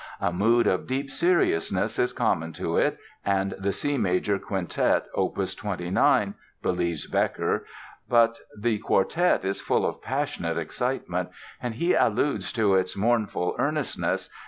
"A mood of deep seriousness is common to it and the C major Quintet, opus 29," believes Bekker, "but the Quartet is full of passionate excitement," and he alludes to its "mournful earnestness